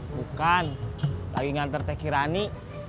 bukan lagi ngantar teh kirani